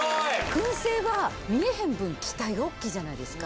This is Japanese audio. くん製は見えへん分、期待がおっきいじゃないですか。